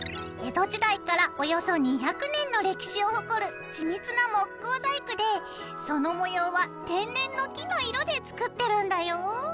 江戸時代からおよそ２００年の歴史を誇る緻密な木工細工でその模様は天然の木の色で作ってるんだよ！